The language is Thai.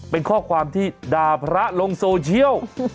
เป็นข้อความที่ด่าพระลงโซเชียล